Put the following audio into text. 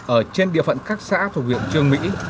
ở trên địa phận các xã thuộc huyện trương mỹ